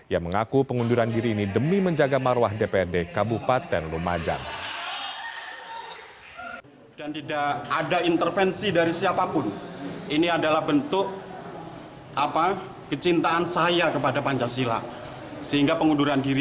yang mengaku pengunduran diri ini demi menjaga marwah dprd kabupaten lumajang